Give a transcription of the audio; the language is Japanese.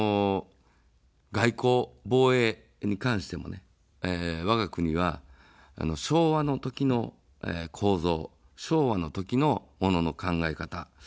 外交、防衛に関してもね、わが国は、昭和の時の構造、昭和の時のものの考え方。